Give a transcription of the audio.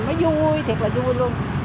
nó vui thiệt là vui luôn